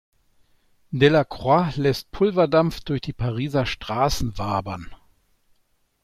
Delacroix lässt Pulverdampf durch die Pariser Straßen wabern.